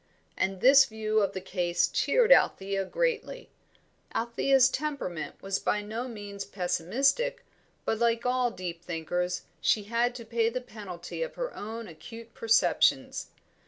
And this view of the case cheered Althea greatly. Althea's temperament was by no means pessimistic, but like all deep thinkers she had to pay the penalty of her own acute perceptions.